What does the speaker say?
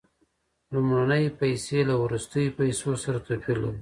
لومړنۍ پیسې له وروستیو پیسو سره څه توپیر لري